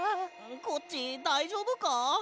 コッチだいじょうぶか？